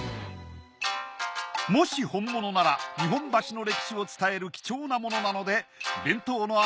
もし本物なら日本橋の歴史を伝える貴重なものなので弁当の味